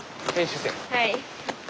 はい。